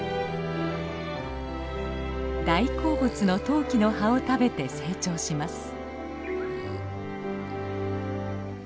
大好物のトウキの葉を食べて成長します。